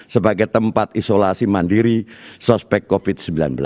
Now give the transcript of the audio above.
sebagai tempat isolasi mandiri sospek covid sembilan belas